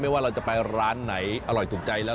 ว่าเราจะไปร้านไหนอร่อยถูกใจแล้ว